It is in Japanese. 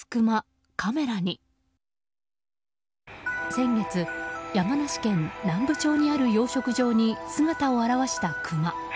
先月、山梨県南部町にある養殖場に姿を現したクマ。